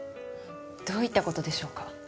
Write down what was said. どういった事でしょうか？